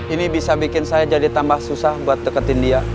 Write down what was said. ini bisa bikin saya jadi tambah susah buat deketin dia